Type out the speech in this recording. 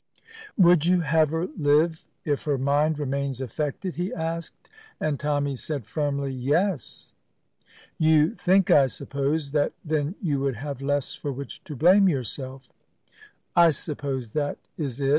"Would you have her live if her mind remains affected?" he asked; and Tommy said firmly, "Yes." "You think, I suppose, that then you would have less for which to blame yourself!" "I suppose that is it.